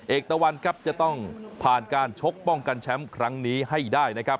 ตะวันครับจะต้องผ่านการชกป้องกันแชมป์ครั้งนี้ให้ได้นะครับ